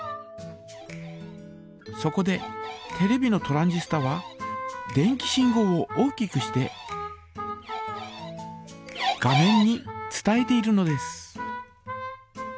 そこでテレビのトランジスタは電気信号を大きくして画面に伝えているのです。